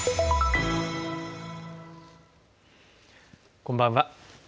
こんばんは。